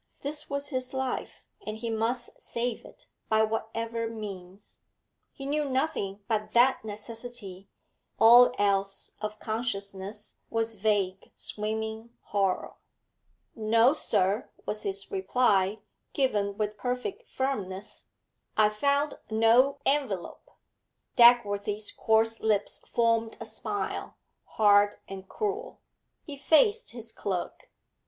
This was his life, and he must save it, by whatever means. He knew nothing but that necessity; all else of consciousness was vague swimming horror. 'No, sir,' was his reply, given with perfect firmness, 'I found no envelope.' Dagworthy's coarse lips formed a smile, hard and cruel. He faced his clerk.